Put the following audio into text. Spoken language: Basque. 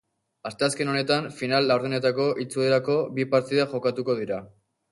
Asteazken honetan final-laurdenetako itzulerako bi partida jokatuko dira.